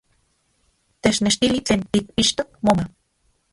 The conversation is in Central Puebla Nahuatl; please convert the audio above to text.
¡Technechtili tlen tikpixtok moma!